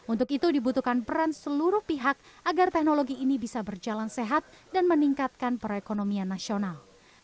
untuk itu dibutuhkan peran seluruh pihak agar teknologi ini bisa berjalan sehat dan meningkatkan perekonomian nasional